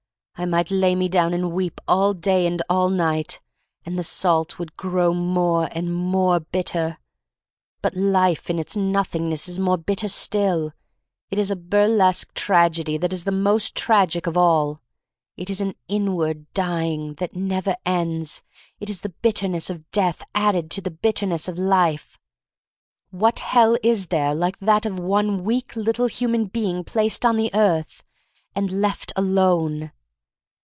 1 might lay me down and weep all day and all night — and the salt would grow more bitter and more bitten But life in its Nothingness is more bitter still. It IS burlesque tragedy that is the most tragic of all. It is an inward dying that never ends. It is the bitterness of death added to the bitterness of life. What hell is there like that of one weak little human being placed on the earth — and left alone?